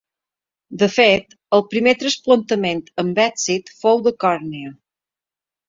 De fet, el primer trasplantament amb èxit fou de còrnia.